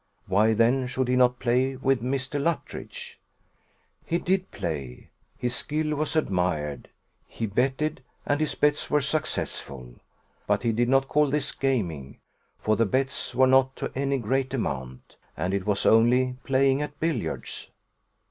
Why, then, should he not play with Mr. Luttridge? He did play: his skill was admired; he betted, and his bets were successful: but he did not call this gaming, for the bets were not to any great amount, and it was only playing at billiards.